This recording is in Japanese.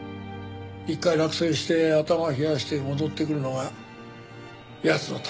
１回落選して頭冷やして戻ってくるのが奴のためってさ。